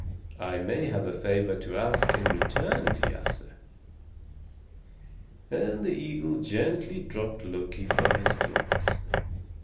I may have a favor to ask in return, Thiasse." Then the eagle gently dropped Loki from his claws.